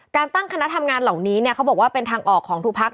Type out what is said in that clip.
การตั้งคณะทำงานเหล่านี้เนี่ยเขาบอกว่าเป็นทางออกของทุกพัก